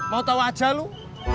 mau tahu aja lu